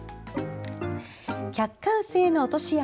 「客観性の落とし穴」